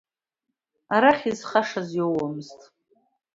Арахь изхашаз иоуамызт.